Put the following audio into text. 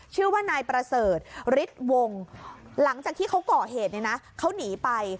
ชื่อว่านายประเสริฐฤทธิ์วงหลังจากที่เขาก่อเหตุเนี่ยนะเขาหนีไป